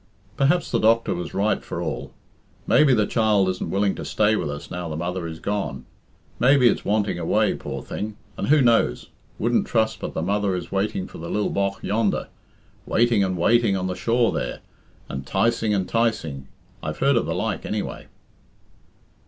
"Perhaps the doctor was right for all. Maybe the child isn't willing to stay with us now the mother is gone; maybe it's wanting away, poor thing. And who knows? Wouldn't trust but the mother is waiting for the lil bogh yonder waiting and waiting on the shore there, and 'ticing and 'ticing I've heard of the like, anyway."